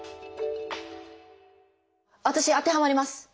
私当てはまります。